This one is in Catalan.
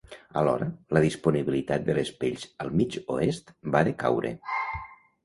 Alhora, la disponibilitat de les pells al mig oest va decaure.